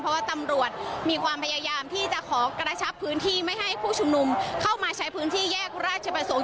เพราะว่าตำรวจมีความพยายามที่จะขอกระชับพื้นที่ไม่ให้ผู้ชุมนุมเข้ามาใช้พื้นที่แยกราชประสงค์